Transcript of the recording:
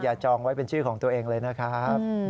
จองไว้เป็นชื่อของตัวเองเลยนะครับ